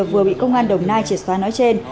vừa bị công an đồng nai triệt xóa nói trên